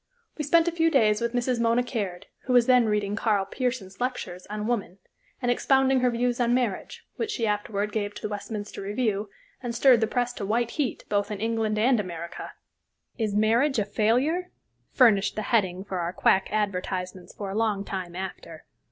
We spent a few days with Mrs. Mona Caird, who was then reading Karl Pearson's lectures on "Woman," and expounding her views on marriage, which she afterward gave to the Westminster Review, and stirred the press to white heat both in England and America. "Is Marriage a Failure?" furnished the heading for our quack advertisements for a long time after.